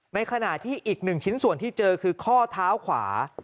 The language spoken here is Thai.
ในขณะที่อีกหนึ่งชิ้นส่วนที่เจอคือข้อเท้าขวา